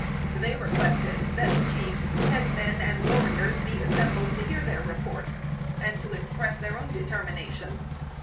They requested that the chiefs, head men and warriors be assembled to hear their report, and to express their own determination.